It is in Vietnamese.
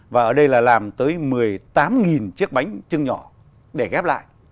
và ở đây là làm tới một mươi tám chiếc bánh trưng nhỏ để ghép lại